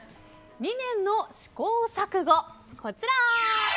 ２年の試行錯誤、こちら。